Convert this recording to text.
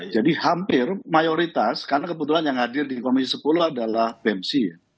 jadi hampir mayoritas karena kebetulan yang hadir di komisi sepuluh adalah bem c